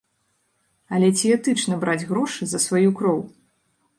Але ці этычна браць грошы за сваю кроў?